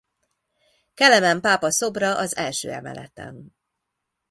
Kelemen pápa szobra az első emeleten.